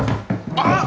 あっ！